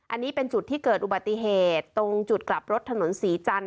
อันนี้เป็นจุดที่เกิดอุบัติเหตุตรงจุดกลับรถถนนศรีจันท